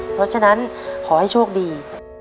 เพราะฉะนั้นขอให้โชคดี